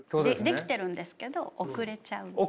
できてるんですけど遅れちゃうね。